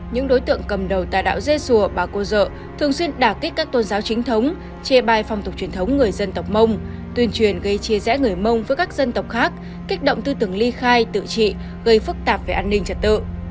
những đối tượng cầm đầu tà đạo dê sùa bà cô dợ thường xuyên đà kích các tôn giáo chính thống chê bai phòng tục truyền thống người dân tộc mông tuyên truyền gây chia rẽ người mông với các dân tộc khác kích động tư tưởng ly khai tự trị gây phức tạp về an ninh trật tự